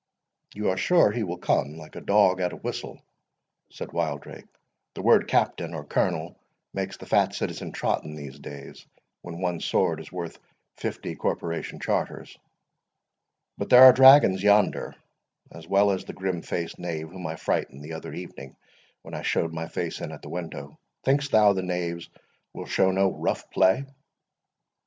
"You are sure he will come, like a dog at a whistle," said Wildrake. "The word captain, or colonel, makes the fat citizen trot in these days, when one sword is worth fifty corporation charters. But there are dragoons yonder, as well as the grim faced knave whom I frightened the other evening when I showed my face in at the window. Think'st thou the knaves will show no rough play?"